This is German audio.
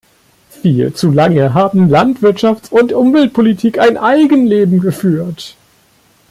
Viel zu lange haben Landwirtschafts- und Umweltpolitik ein Eigenleben geführt.